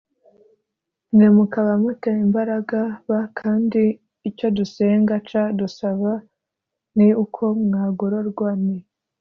mwe mukaba mu te imbaraga b kandi icyo dusenga c dusaba ni uko mwagororwa Ni